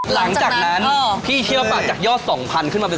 หลังจากนั้นพี่เชื่อปากจากยอด๒๐๐๐ขึ้นมาเป็น